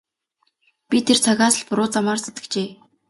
Би тэр цагаас л буруу замаар зүтгэжээ.